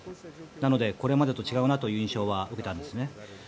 なのでこれまでとは違うなという印象は受けたんですね。